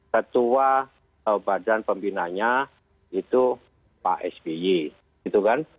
ketua badan pembinanya itu pak sby gitu kan